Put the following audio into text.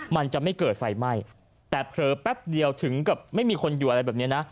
มันจะไม่เกิดไฟไหม้แต่เผลอแป๊บเดียวถึงกับไม่มีคนอยู่อะไรแบบนี้นะ